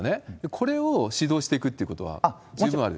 これを指導していくってことは、十分ある？